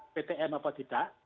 ptm atau tidak